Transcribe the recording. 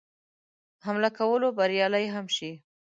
حمله کولو بریالی هم شي.